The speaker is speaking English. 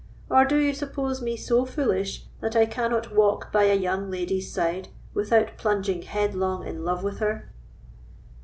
or do you suppose me so foolish, that I cannot walk by a young lady's side without plunging headlong in love with her?"